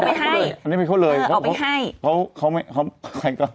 เอาไปให้เขาเขาเขาใครก็เอาไปให้เขาเขาใครก็